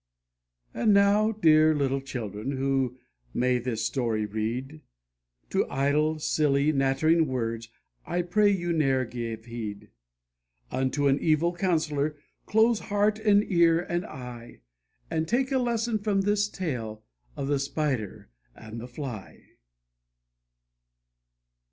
And now, dear little children, who may this story read, To idle, silly, flattering words, I pray you, ne'er give heed : Unto an evil counsellor close heart, and ear, and eye, And take a lesson from this tale, of the Spider and the Fly.